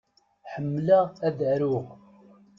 Ḥemmleɣ ad aruɣ.